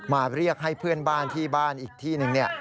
เรียกให้เพื่อนบ้านที่บ้านอีกที่หนึ่ง